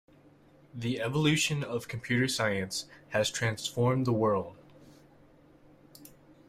The evolution of computer science has transformed the world.